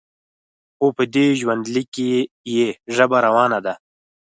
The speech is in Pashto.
خو په دې ژوندلیک کې یې ژبه روانه ده.